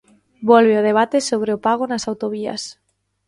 Volve o debate sobre o pago nas autovías.